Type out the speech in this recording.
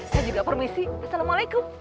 saya juga permisi assalamualaikum